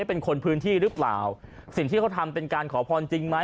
เป็นคนพื้นที่หรือเปล่าสิ่งที่เขาทำเป็นการขอพรจริงไหม